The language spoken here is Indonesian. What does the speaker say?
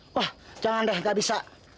wah jangan dah gak bisa